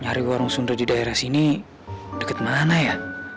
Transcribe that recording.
nyari warung sunda di daerah sini dekat mana ya